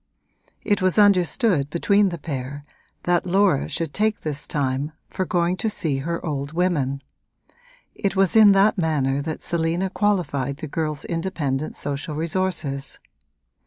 It was understood between the pair that Laura should take this time for going to see her old women: it was in that manner that Selina qualified the girl's independent social resources.